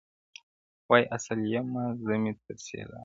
وایې اصل یمه زه مي تر سیلانو,